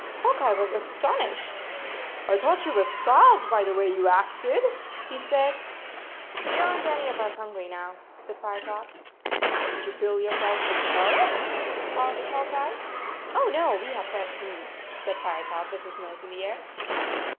Hawk Eye was astonished. " I thought you were starved by the way you acted," he said. 59 44 We are n t any of us hungry now," said Firetop. 44 Did you fill yourselves with carrots ?" asked Hawk Eye. 44 Oh, no. We had fresh meat," said Firetop, with his nose in the air.